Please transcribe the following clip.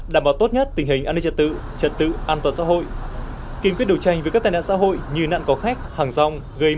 đảm bảo tốt nhất tình hình an ninh trật tự trật tự an toàn xã hội